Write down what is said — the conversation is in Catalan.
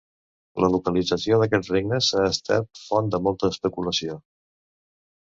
La localització d'aquests regnes ha estat font de molta especulació.